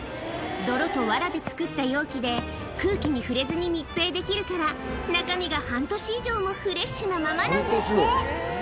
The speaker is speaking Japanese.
泥とわらで作った容器で、空気に触れずに密閉できるから、中身が半年以上もフレッシュなままなんだって。